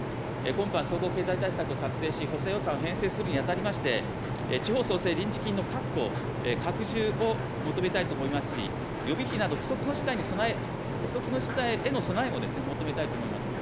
今般、総合経済対策を策定し、補正予算を編成するにあたりまして、地方創生臨時金の確保、拡充を求めたいと思いますし、予備費など、不測の事態への備えも求めたいと思います。